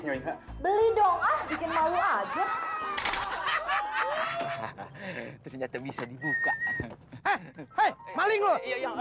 nyonya beli dong bikin malu aja hahaha ternyata bisa dibuka hai maling lo yang